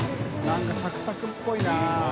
何かサクサクっぽいな。